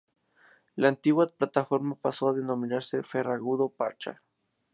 La antigua plataforma pasó a denominarse Ferragudo-Parchal.